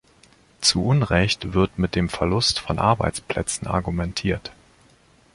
Zu Unrecht wird mit dem Verlust von Arbeitsplätzen argumentiert.